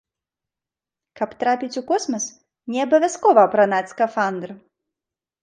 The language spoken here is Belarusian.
Каб трапіць у космас, не абавязкова апранаць скафандр!